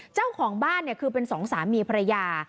เจ้าของบ้านเนี่ยคือเป็นสองสามีภรรยา